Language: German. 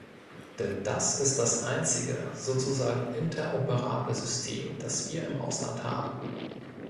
Denn das ist das einzige, sozusagen interoperable System, das wir im Ausland haben.